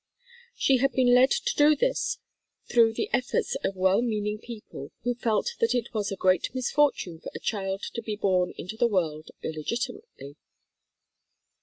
She had been led to do this through the efforts of well meaning people who felt that it was a great misfortune for a child to be born into the world illegitimately.